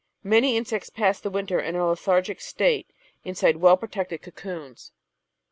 Many insects pass the winter in a lethargic state inside well protected cocoons.